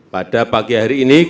pada pagi hari ini